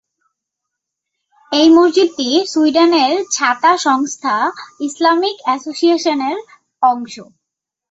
এই মসজিদটি সুইডেনের ছাতা সংস্থা ইসলামিক অ্যাসোসিয়েশনের অংশ।